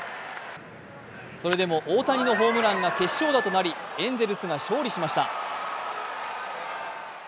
それでも大谷のホームランが決勝打となりエンゼルスが勝利しました。